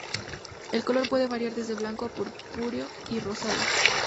El color puede variar desde blanco a purpúreo y rosado.